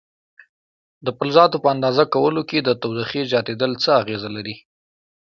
د فلزاتو په اندازه کولو کې د تودوخې زیاتېدل څه اغېزه لري؟